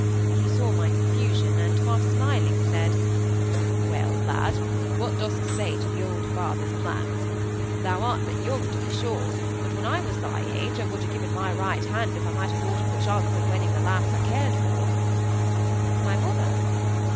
He saw my confusion, and half smiling said,— "Well, lad, what dost say to the old father's plans? Thou art but young, to be sure; but when I was thy age, I would ha' given my right hand if I might ha' thought of the chance of wedding the lass I cared for—" "My mother?"